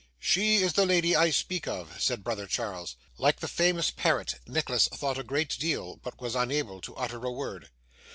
'SHE is the lady I speak of,' said brother Charles. Like the famous parrot, Nicholas thought a great deal, but was unable to utter a word.